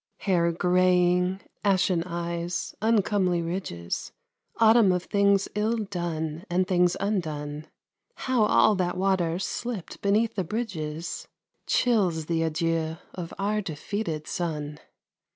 Hair greying, ashen eyes, uncomely ridges, Autumn of things ill done, and things undone: How all that water, slipped beneath the bridges, Chills the adieux of our defeated sun!